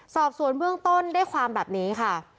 สอบสวนเบื้องต้นได้ความแบบนี้ค่ะ